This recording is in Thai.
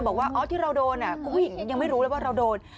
บอกว่าอ๋อที่เราโดนยังไม่รู้เลยว่าเราโดน